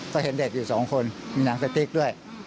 ก็เห็นเด็กอยู่สองคนมีหนังสติ๊กด้วย